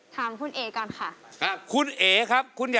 ถามคุณเอ่ก่อนค่ะ